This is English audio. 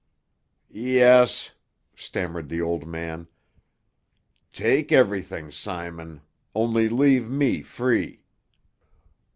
"Yes," stammered the old man. "Take everything, Simon; only leave me free."